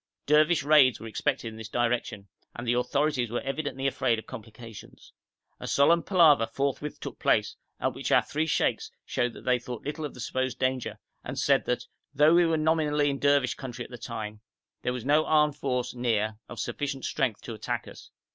Dervish raids were expected in this direction, and the authorities were evidently afraid of complications. A solemn palaver forthwith took place, at which our three sheikhs showed that they thought little of the supposed danger, and said that, though we were nominally in Dervish country at the time, there was no armed force near of sufficient strength to attack us.